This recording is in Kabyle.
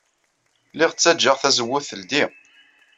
Lliɣ ttajjaɣ tazewwut teldey.